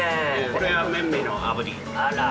これはメンメのあぶり。